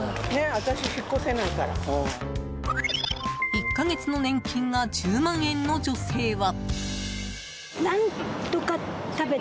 １か月の年金が１０万円の女性は。